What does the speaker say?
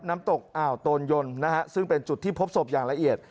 น้ำตกอ่าวโตนยนนะฮะซึ่งเป็นจุดที่พบศพอย่างละเอียด